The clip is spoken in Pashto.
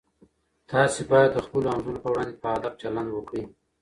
تاسي باید د خپلو همزولو په وړاندې په ادب چلند وکړئ.